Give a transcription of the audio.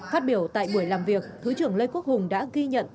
phát biểu tại buổi làm việc thứ trưởng lê quốc hùng đã ghi nhận